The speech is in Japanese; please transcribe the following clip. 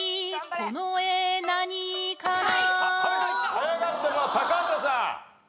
早かったのは高畑さん。